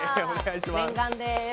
念願です。